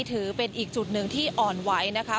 ถือเป็นอีกจุดหนึ่งที่อ่อนไหวนะคะ